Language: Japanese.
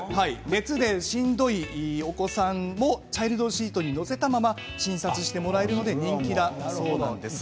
熱でしんどいお子さんもチャイルドシートに乗せたまま診察してもらえるので人気だそうなんです。